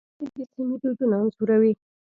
غالۍ د سیمې دودونه انځوروي.